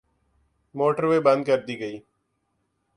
Motorway بند کردی گئی۔